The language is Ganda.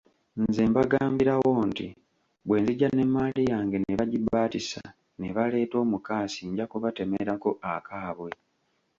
Nze mbagambirawo nti bwe nzija n’emmaali yange ne bagibaatisa ne baleeta omukaasi nja kubatemerako akaabwe.